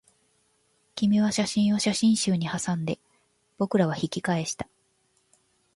君は写真を写真集にはさんで、僕らは引き返した